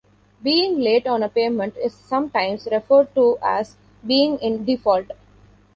Being late on a payment is sometimes referred to as being in "default".